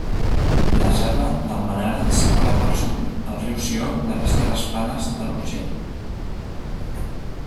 La serra d'Almenara separa pel sud el riu Sió de les terres planes de l'Urgell.